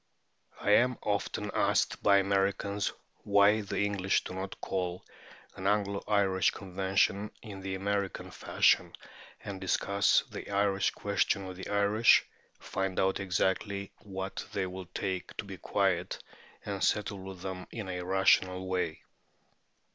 I am often asked by Americans why the English do not call an Anglo Irish convention in the American fashion, and discuss the Irish question with the Irish, find out exactly what they will take to be quiet, and settle with them in a rational way.